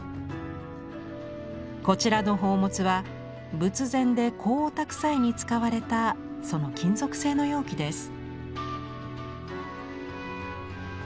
こちらの宝物は仏前で香をたく際に使われたその金属製の容器です。